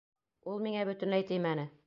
— Ул миңә бөтөнләй теймәне.